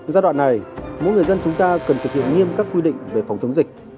giai đoạn này mỗi người dân chúng ta cần thực hiện nghiêm các quy định về phòng chống dịch